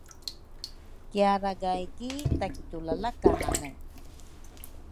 Kiaragay ki takitulalakane